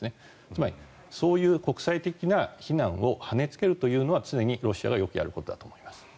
つまりそういう国際的な非難をはねつけるというのは常にロシアがよくやることだと思います。